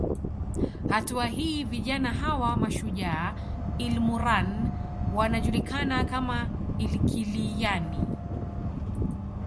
Hatua hii vijana hawa mashujaa ilmurran wanajulikana kama ilkiliyani